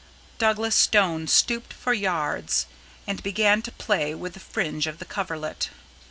Douglas Stone stooped for yards and began to play with the fringe of the coverlet.